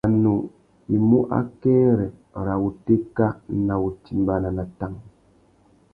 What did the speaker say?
Mbanu i mú akêrê râ wutéka nà wutimbāna na tang.